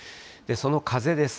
その風です。